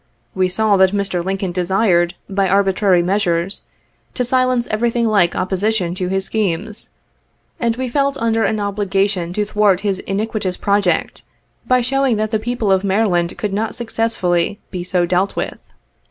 We saw that Mr. Lincoln desired, by arbitrary measures, to silence everything like opposition to his schemes, and we felt under an obligation to thwart his iniquitous project, by showing that the people of Maryland could not successfully be so dealt with.